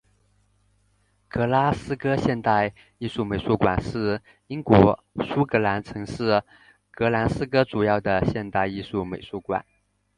格拉斯哥现代艺术美术馆是英国苏格兰城市格拉斯哥主要的现代艺术美术馆。